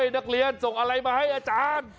นักเรียนส่งอะไรมาให้อาจารย์